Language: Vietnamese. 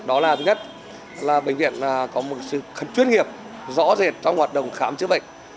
đó là thứ nhất là bệnh viện có một sự chuyên nghiệp rõ rệt trong hoạt động khám chữa bệnh